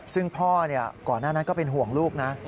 ซึ่งพ่อก่อนหน้านั้นก็เป็นห่วงลูกนะ